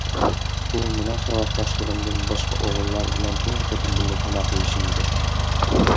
بۇ مېنىڭ ساۋاقداشلىرىمدىن باشقا ئوغۇللار بىلەن تۇنجى قېتىم بىللە تاماق يېيىشىم ئىدى.